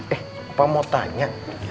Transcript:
eh opa mau tanya